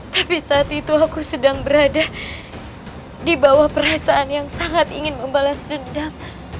tapi saat itu aku sedang berada di bawah perasaan yang sangat ingin membalas dendam